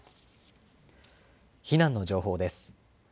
避難の情報です。